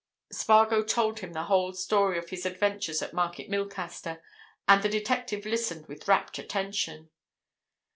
Spargo told him the whole story of his adventures at Market Milcaster, and the detective listened with rapt attention.